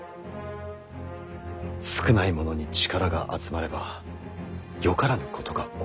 少ない者に力が集まればよからぬことが起こる。